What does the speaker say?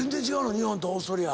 日本とオーストリア。